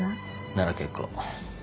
なら結構。